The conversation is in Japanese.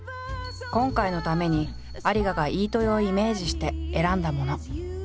今回のために有賀が飯豊をイメージして選んだもの。